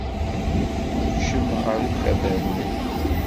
Tkecmem ɣer ukabar-nni.